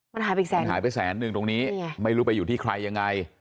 มันหายไปแสน๑ตรงนี้ไม่รู้ไปอยู่ที่ใครยังไง